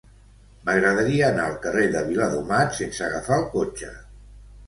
M'agradaria anar al carrer de Viladomat sense agafar el cotxe.